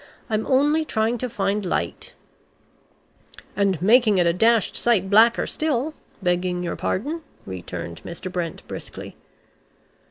"I'm only trying to find light " "And making it a dashed sight blacker still, begging your pardon," returned Mr. Brent briskly.